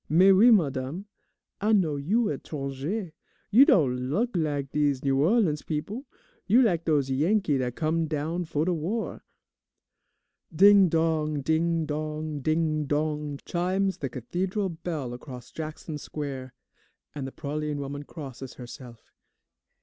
"Mais oui, madame, I know you etranger. You don' look lak dese New Orleans peop'. You lak' dose Yankee dat come down 'fo' de war." Ding dong, ding dong, ding dong, chimes the Cathedral bell across Jackson Square, and the praline woman crosses herself.